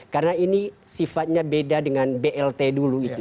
karena ini sifatnya beda dengan blt dulu gitu